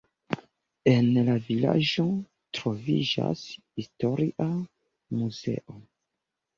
En la vilaĝo troviĝas historia muzeo.